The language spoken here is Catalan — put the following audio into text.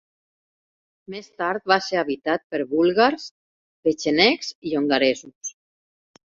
Més tard va ser habitat per búlgars, petxenegs i hongaresos.